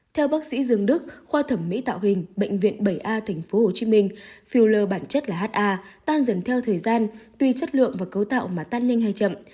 theo bác sĩ dương đức khoa thẩm mỹ tạo hình bệnh viện bảy a tp hcm filler bản chất là ha tan dần theo thời gian tuy chất lượng và cấu tạo mà tan nhanh hay chậm